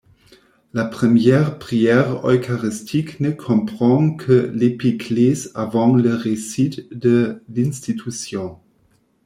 La première prière eucharistique ne comprend que l'épiclèse avant le récit de l'institution.